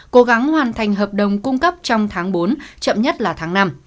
cố gắng hoàn thành hợp đồng cung cấp trong tháng bốn chậm nhất là tháng năm